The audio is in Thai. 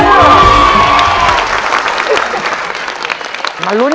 คุณฝนจากชายบรรยาย